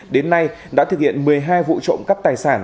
đến nay đã thực hiện một mươi hai vụ trộm cắp tài sản